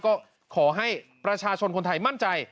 ก็ขอให้ประชาชนคนไทยมั่นใจ